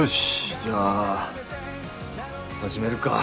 じゃあ始めるか。